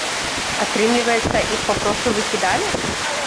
Атрымліваецца, іх папросту выкідалі?